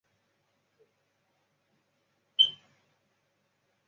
灰湾子岩画的历史年代为待考。